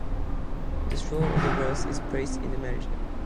The straw of the wreath is placed in the manger.